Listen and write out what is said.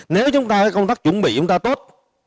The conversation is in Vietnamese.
nếu chúng ta công tác chuẩn bị chúng ta tốt